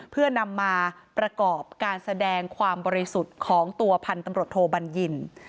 เพื่อนำมาประกอบการแสดงความบริสุทธิ์ของตัวพันธบทภภภ